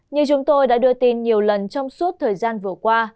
như chúng tôi đã đưa tin nhiều lần trong suốt thời gian vừa qua